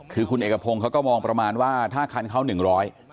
คือคุณเอกพงศ์เขาก็มองประมาณว่าถ้าคันเขาหนึ่งร้อย